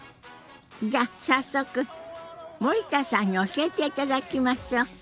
じゃあ早速森田さんに教えていただきましょう。